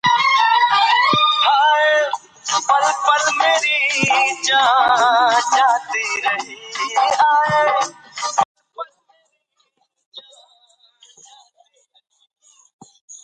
خلفای راشدین د اصحابو ترمنځ تر ټولو غوره او نږدې کسان وو.